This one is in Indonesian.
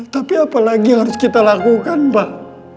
tapi apa lagi yang harus kita lakukan pak